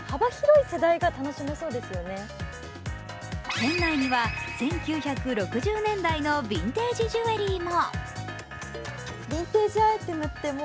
店内には１９６０年代のビンテージジュエリーも。